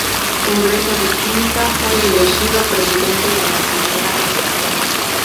Congreso de Química, fue elegido Presidente de la Primera Sección.